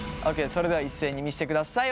それでは一斉に見せてください。